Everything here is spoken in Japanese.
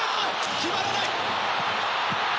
決まらない！